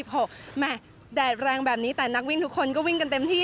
แหมแดดแรงแบบนี้แต่นักวิ่งทุกคนก็วิ่งกันเต็มที่